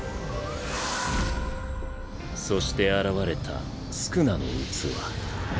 そして現れた宿儺の器。